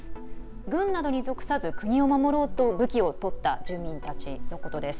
軍などに属さず、国を守ろうと武器を取った住民たちのことです。